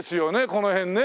この辺ね。